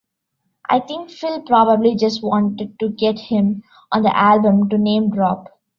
I think Phil probably just wanted to get him on the album to name-drop.